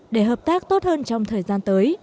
để hợp tác tốt hơn trong thời gian tới